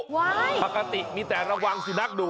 ว้ายยยยปกติมีแต่ระวังสินักดู